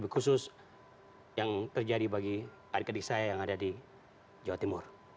khusus yang terjadi bagi adik adik saya yang ada di jawa timur